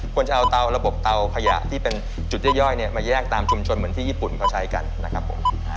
ควรจะเอาเตาระบบเตาขยะที่เป็นจุดย่อยมาแยกตามชุมชนเหมือนที่ญี่ปุ่นเขาใช้กันนะครับผม